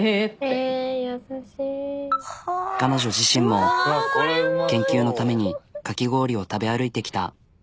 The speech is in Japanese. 彼女自身も研究のためにかき氷を食べ歩いてきた。